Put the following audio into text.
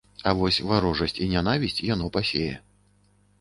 А вось варожасць і нянавісць яно пасее.